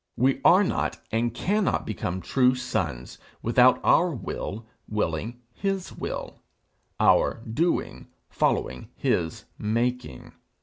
We are not and cannot become true sons without our will willing his will, our doing following his making.